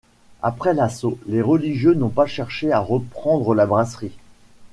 Après l’assaut, les religieux n’ont pas cherché à reprendre la brasserie.